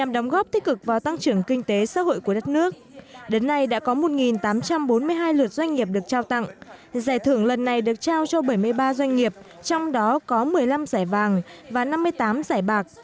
đến nay đã có một tám trăm bốn mươi hai lượt doanh nghiệp được trao tặng giải thưởng lần này được trao cho bảy mươi ba doanh nghiệp trong đó có một mươi năm giải vàng và năm mươi tám giải bạc